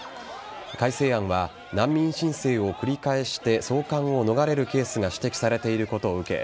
改正案は、難民申請を繰り返して送還を逃れるケースが指摘されていることを受け